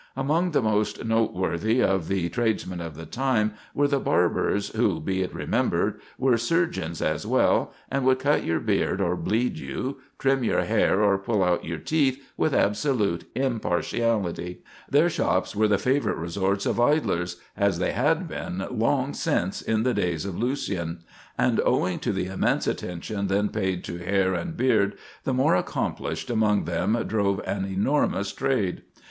Among the most noteworthy of the tradesmen of the time were the barbers, who, be it remembered, were surgeons as well, and would cut your beard or bleed you, trim your hair or pull out your teeth, with absolute impartiality. Their shops were the favorite resorts of idlers, as they had been long since in the days of Lucian; and owing to the immense attention then paid to hair and beard, the more accomplished among them drove an enormous trade.